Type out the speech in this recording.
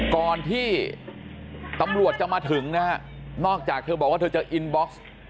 ก่อนที่ตำรวจจะมาถึงนะฮะนอกจากเธอบอกว่าเธอจะอินบ็อกซ์